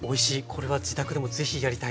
これは自宅でも是非やりたい。